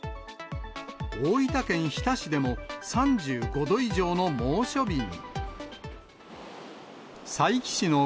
大分県日田市でも３５度以上の猛暑日に。